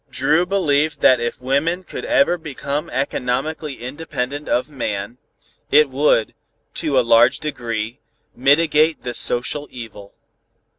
Dru believed that if women could ever become economically independent of man, it would, to a large degree, mitigate the social evil.